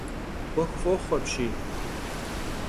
'Uexu f'oxhu apşyy!